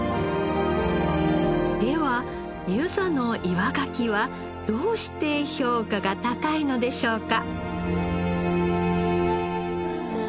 では遊佐のカキはどうして評価が高いのでしょうか。